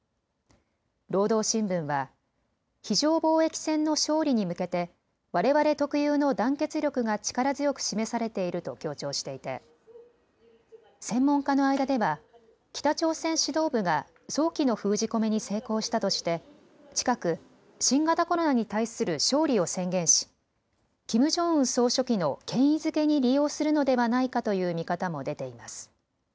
労働新聞は非常防疫戦の勝利に向けてわれわれ特有の団結力が力強く示されていると強調していて専門家の間では北朝鮮指導部が早期の封じ込めに成功したとして近く新型コロナに対する勝利を宣言しキム・ジョンウン総書記の権威づけに利用するのではないかという見方も出ています。